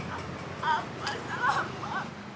apa salah lo